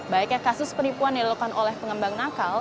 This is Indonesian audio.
baiknya kasus penipuan yang dilakukan oleh pengembang nakal